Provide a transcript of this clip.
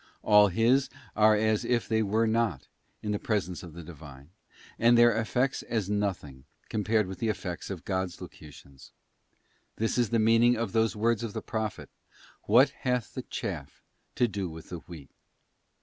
All his are as if they were not, in presence of the Divine, and their effects as nothing compared with the effects of God's locutions. This is the meaning of those words of the Prophet: ' What hath the chaff to do with the wheat?